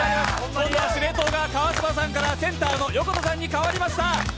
今度は司令塔が川島さんからセンターの横田さんにかわりました。